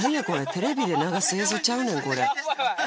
テレビで流す映像ちゃうねん